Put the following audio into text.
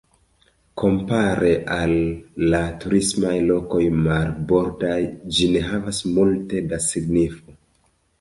Kompare al la turismaj lokoj marbordaj ĝi ne havas multe da signifo.